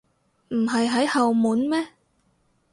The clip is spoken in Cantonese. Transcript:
唔係喺後門咩？